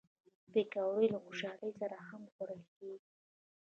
پکورې له خوشحالۍ سره هم خوړل کېږي